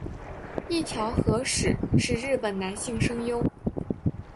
一条和矢是日本男性声优。